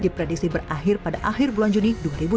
diprediksi berakhir pada akhir bulan juni dua ribu dua puluh